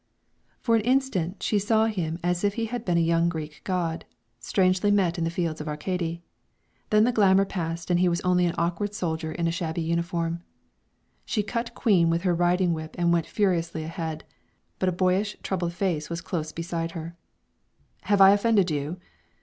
For an instant she saw him as if he had been a young Greek god, strangely met in the fields of Arcady; then the glamour passed and he was only an awkward soldier in a shabby uniform. She cut Queen with her riding whip and went furiously ahead, but a boyish, troubled face was close beside her. "Have I offended you?"